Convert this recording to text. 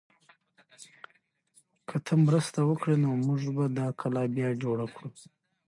که ته مرسته وکړې نو موږ به دا کلا بیا جوړه کړو.